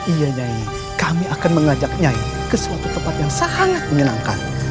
iya nyai kami akan mengajak nyai ke suatu tempat yang sangat menyenangkan